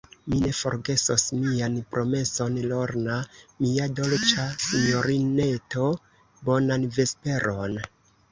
Mi ne forgesos mian promeson, Lorna, mia dolĉa sinjorineto; bonan vesperon.